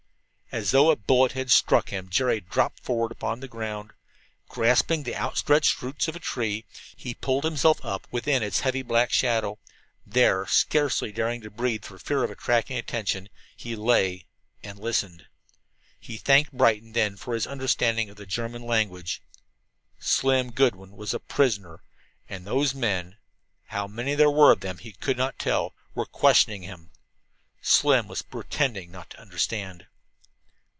As though a bullet had struck him, Jerry dropped forward upon the ground. Grasping the outstretched roots of a tree, he pulled himself up within its heavy black shadow. There, scarcely daring to breathe for fear of attracting attention, he lay and listened. He thanked Brighton then for his understanding of the German language. Slim Goodwin was a prisoner, and those men how many there were of them he could not tell were questioning him! Slim was pretending not to understand.